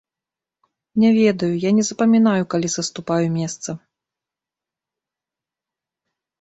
Не ведаю, я не запамінаю, калі саступаю месца.